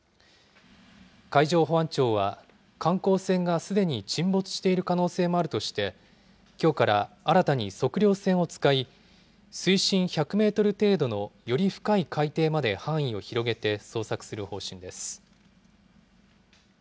海上保安庁は、観光船がすでに沈没している可能性もあるとして、きょうから新たに測量船を使い、水深１００メートル程度のより深い海底まで範囲を広げて捜索する方針です。